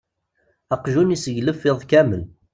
Aqjun iseglef iḍ kammel.